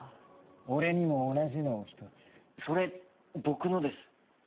俺にも同じのを１つそれ僕のです